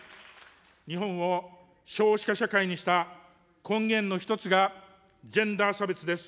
日本を少子化社会にした根源の一つが、ジェンダー差別です。